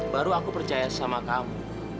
baru aku percaya sama kamu